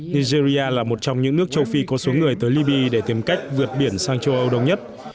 nigeria là một trong những nước châu phi có số người tới libya để tìm cách vượt biển sang châu âu đông nhất